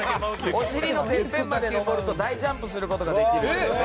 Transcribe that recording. お尻のてっぺんまで登ると大ジャンプすることができるんです。